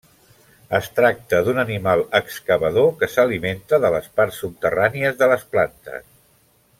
Es tracta d'un animal excavador que s'alimenta de les parts subterrànies de les plantes.